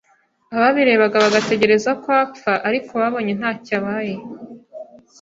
ababirebaga bagategereza ko apfa, ariko babonye ntacyo abaye,